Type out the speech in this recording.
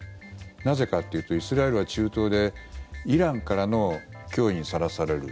なぜかっていうとイスラエルは中東でイランからの脅威にさらされる。